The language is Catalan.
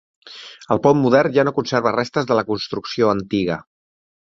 El pont modern ja no conserva restes de la construcció antiga.